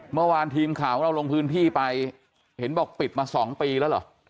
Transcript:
เมื่อวานทีมข่าวของเราลงพื้นที่ไปเห็นบอกปิดมา๒ปีแล้วเหรอ